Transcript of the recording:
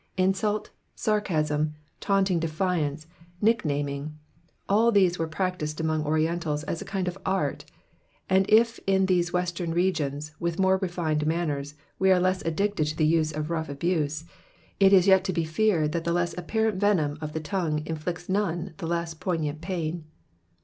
Insult, sarcasm, taunting defiance, nicknaming, all these were practised among Orientals as a kind of art ; and if in these Western regions, with more refined manners, we are less additcted to the use of rough abuse, it is yet to be feared that the less apparent venom of the tongue inflicts none the less poignant pain.